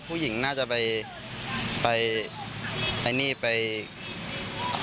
ผู้หญิงน่าจะไปไปอันนี้ไปโยงบีบซี่